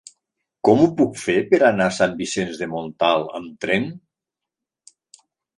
Com ho puc fer per anar a Sant Vicenç de Montalt amb tren?